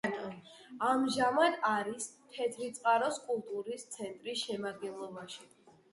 ამჟამად არის თეთრიწყაროს კულტურის ცენტრის შემადგენლობაში.